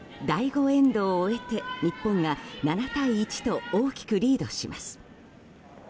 第５エンドを終えて日本が７対１と大きくリードします。